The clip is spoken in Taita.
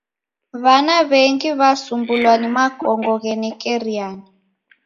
W'ana w'engi w'asumbulwa ni makongo ghenekeriana.